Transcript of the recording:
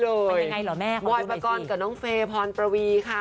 เป็นยังไงเหรอแม่ค่ะบอยปกรณ์กับน้องเฟย์พรประวีค่ะ